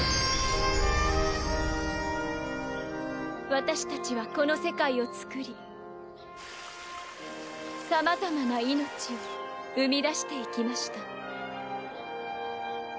私たちはこの世界を創りさまざまな命を生み出していきました。